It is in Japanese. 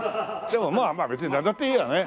でもまあまあ別になんだっていいやね。